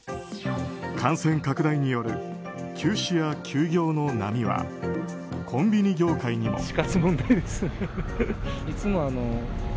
感染拡大による休止や休業の波はコンビニ業界にも。